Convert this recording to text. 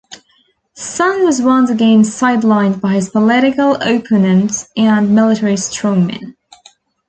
Sun was once again sidelined by his political opponents and military strongmen.